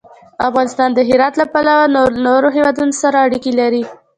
افغانستان د هرات له پلوه له نورو هېوادونو سره اړیکې لري.